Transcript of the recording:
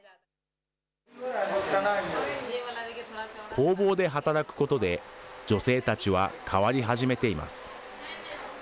工房で働くことで、女性たちは変わり始めています。